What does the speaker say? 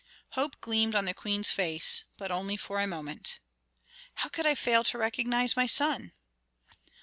Hope gleamed on the queen's face, but only for a moment. "How could I fail to recognize my son?"